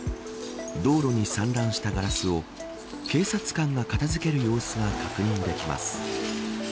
道路に散乱したガラスを警察官が片付ける様子が確認できます。